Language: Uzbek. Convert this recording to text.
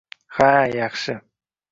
Ha yaxshi...